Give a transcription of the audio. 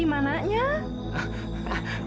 di mana nek